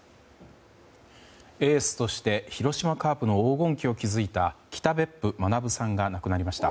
エースとして広島カープの黄金期を築いた北別府学さんが亡くなりました。